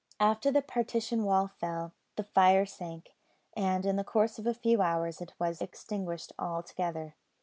After the partition wall fell, the fire sank, and in the course of a few hours it was extinguished altogether.